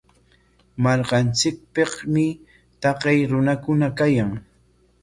Markanchikpikmi taqay runakuna kayan.